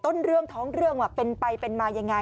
ต้นเรื่องท้องเรื่องว่าเป็นไปเป็นมายังไง